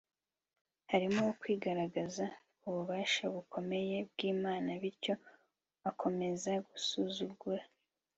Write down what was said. harimo ukwigaragaza kububasha bukomeye bwImana bityo akomeza gusuzugura